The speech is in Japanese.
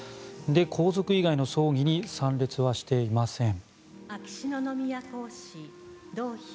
皇族以外の葬儀に参列はしていません。